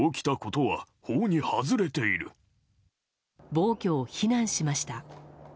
暴挙を非難しました。